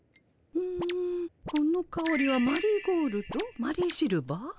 うんこのかおりはマリーゴールド？マリーシルバー？